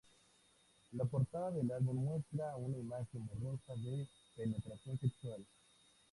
La portada del álbum muestra una imagen borrosa de penetración sexual.